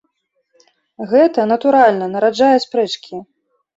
Гэта, натуральна, нараджае спрэчкі.